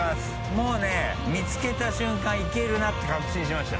もうね見つけた瞬間行けるなって確信しました。